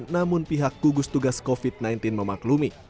namun pihak gugus tugas covid sembilan belas memaklumi